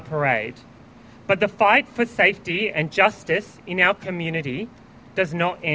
tapi perjuangan untuk keamanan dan keadilan di komunitas kita